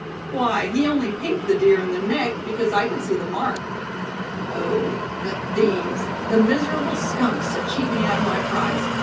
Why, he only pinked the deer in the neck, because I could see the mark. Oh! the thieves, the miserable skunks, to cheat me out of my prize!